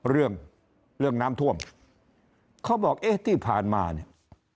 เรื่องเรื่องน้ำท่วมเขาบอกเอ๊ะที่ผ่านมาเนี่ย